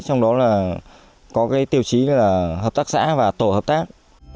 trong đó là có cái tiêu chí là hợp tác xã và tổ hợp tác